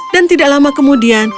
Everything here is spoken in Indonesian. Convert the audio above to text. dan tidak lama kemudian